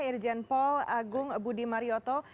irjen paul agung budi marioto